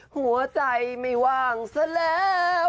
หัวใจไม่วางเสียแล้ว